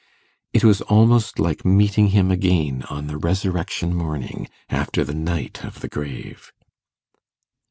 It was almost like meeting him again on the resurrection morning, after the night of the grave.